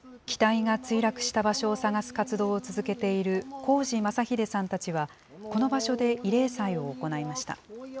機体が墜落した場所を探す活動を続けている幸治昌秀さんたちは、この場所で慰霊祭を行いました。